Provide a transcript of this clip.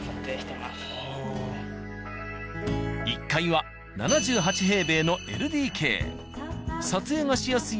１階は７８平米のＬＤＫ。